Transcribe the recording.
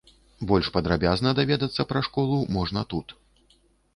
Больш падрабязна даведацца пра школу можна тут.